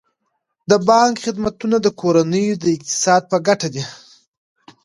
د بانک خدمتونه د کورنیو د اقتصاد په ګټه دي.